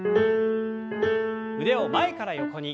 腕を前から横に。